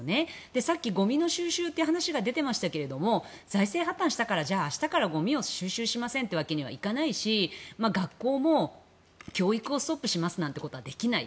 さっきゴミの収集という話が出てましたが財政破たんしたからじゃあ明日からゴミを収集しませんというわけにはいかないし学校も教育をストップしますなんてことはできない。